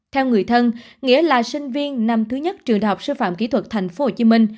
theo người thân nghĩa là sinh viên năm thứ nhất trường đại học sư phạm kỹ thuật tp hcm